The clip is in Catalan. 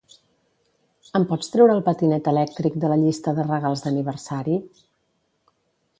Em pots treure el patinet elèctric de la llista de regals d'aniversari?